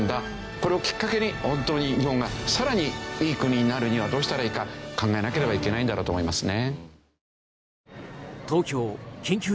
これをきっかけにホントに日本がさらにいい国になるにはどうしたらいいか考えなければいけないんだろうと思いますね。